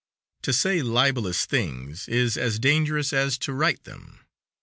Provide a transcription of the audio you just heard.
To say libelous things is as dangerous as to write them.